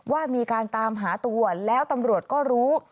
ว่ามีการตามหาตัวแล้วตำรวจก็รู้